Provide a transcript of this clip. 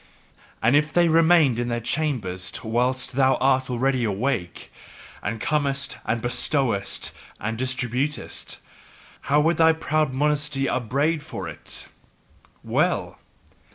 And if they remained in their chambers whilst thou art already awake, and comest and bestowest and distributest, how would thy proud modesty upbraid for it! Well!